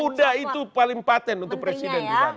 udah itu paling patent untuk presiden di sana